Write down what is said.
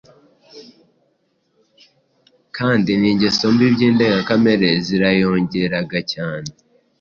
kandi n’ingeso mbi by’indengakamere zariyongeraga cyane.